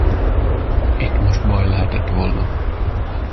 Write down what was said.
Itt most baj lehetett volna.